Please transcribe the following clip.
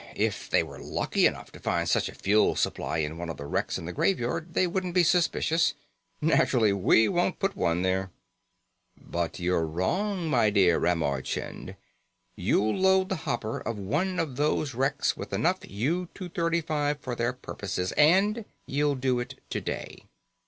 If they were lucky enough to find such a fuel supply in one of the wrecks in the Graveyard, they wouldn't be suspicious. Naturally, we won't put one there." "But you're wrong, my dear Ramar Chind. You'll load the hopper of one of those wrecks with enough U 235 for their purposes, and you'll do it today."